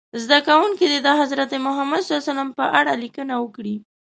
زده کوونکي دې د حضرت محمد ص په اړه لیکنه وکړي.